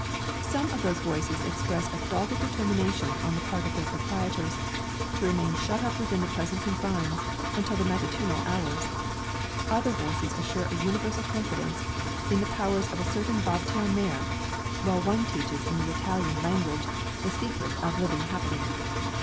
Some of those voices express a dogged determination on the part of their proprietors, to remain shut up within the present confines until the matutinal hours; other voices assure a universal confidence in the powers of a certain bob tail mare, while one teaches in the Italian language the secret of ever living happily.